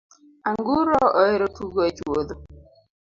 Anguro ohero tugo e chuodho .